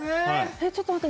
えっちょっと待って。